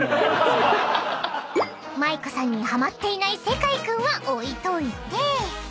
［Ｍａｉｋｏさんにはまっていない世界君は置いといて］